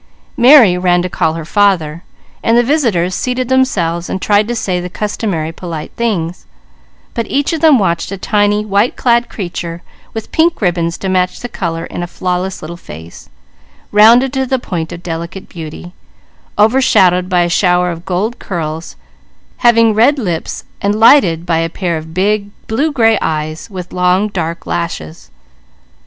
Mary ran to call her father, while the visitors seated themselves to say the customary polite things; but each of them watched a tiny white clad creature, with pink ribbons to match the colour in a flawless little face, rounded to the point of delicate beauty, overshadowed by a shower of gold curls, having red lips and lighted by a pair of big, blue gray eyes with long dark lashes.